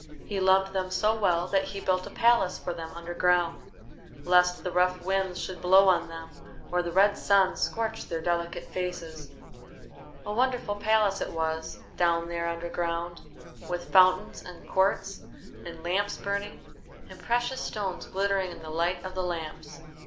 He loved them so well that he built a palace for them underground, lest the rough winds should blow on them or the red sun scorch their delicate faces. A wonderful palace it was, down there underground, with fountains and courts, and lamps burning, and precious stones glittering in the light of the lamps.